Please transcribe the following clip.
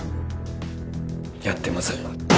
やってません